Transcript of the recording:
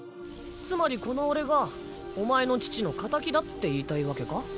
つまりこの俺がお前の父の敵だって言いたいわけか？